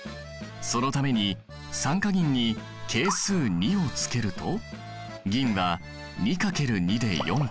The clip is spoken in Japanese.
そのために酸化銀に係数２をつけると銀は２×２で４個。